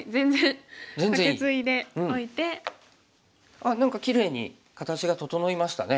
あっ何かきれいに形が整いましたね。